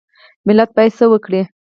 ملت باید څه وکړي؟